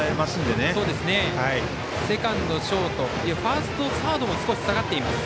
セカンド、ショートファースト、サードも少し下がっています。